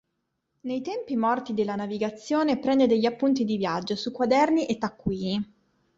Nei tempi morti della navigazione prende degli appunti di viaggio su quaderni e taccuini.